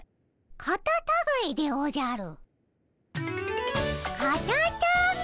カタタガエでおじゃる。